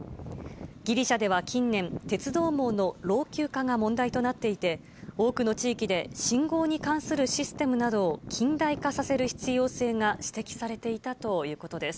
ギリシャでは近年、鉄道網の老朽化が問題となっていて、多くの地域で信号に関するシステムなどを近代化させる必要性が指摘されていたということです。